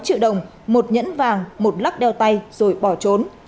một mươi sáu triệu đồng một nhẫn vàng một lắc đeo tay rồi bỏ trốn